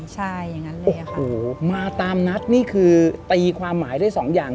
โอ้โหมาตามนัดนี่คือตีความหมายด้วยสองอย่าง